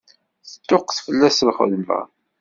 Teṭṭuqqet fell-as lxedma.